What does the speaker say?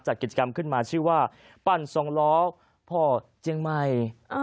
กิจกรรมขึ้นมาชื่อว่าปั่นสองล้อพ่อเจียงใหม่